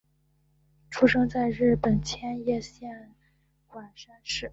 出生在日本千叶县馆山市。